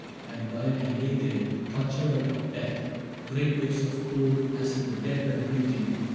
And while I lay there, tortured out of death. Great waves of cold, as if the dead were breathing.